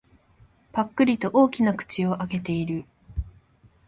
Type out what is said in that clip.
ぱっくりと大きな口を開けている。